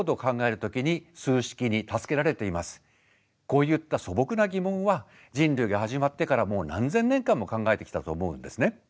こういった素朴な疑問は人類が始まってからもう何千年間も考えてきたと思うんですね。